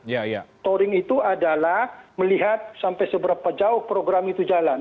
touring itu adalah melihat sampai seberapa jauh program itu jalan